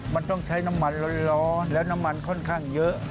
มันต้องใช้น้ำมันร้อนและน้ำมันค่อนข้างเยอะ